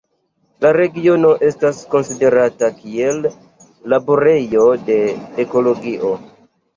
La regiono estas konsiderata kiel "laborejo de ekologio".